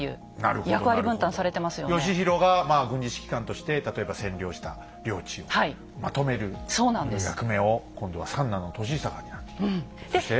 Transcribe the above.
義弘がまあ軍事指揮官として例えば占領した領地をまとめる役目を今度は三男の歳久が担ってきた。